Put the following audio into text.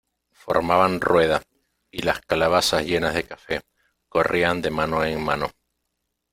formaban rueda, y las calabazas llenas de café , corrían de mano en mano.